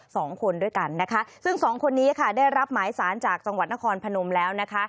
สองคนด้วยกันนะคะซึ่งสองคนนี้ค่ะได้รับหมายสารจากจังหวัดนครพนมแล้วนะคะ